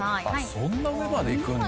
そんな上までいくんだ。